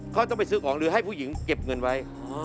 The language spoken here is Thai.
เขาต้องไปซื้อของหรือให้ผู้หญิงเก็บเงินไว้